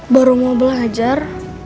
baru mau belajar